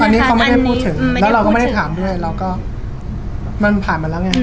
อันนี้เขาไม่ได้พูดถึงแล้วเราก็ไม่ได้ถามด้วยเราก็มันผ่านมาแล้วไง